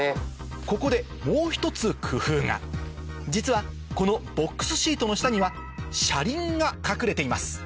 ここでもう１つ工夫が実はこのボックスシートの下には車輪が隠れています